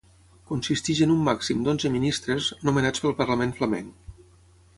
Consisteix en un màxim d'onze ministres, nomenats pel Parlament Flamenc.